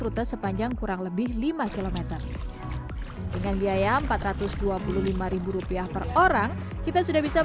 oke aku udah langsung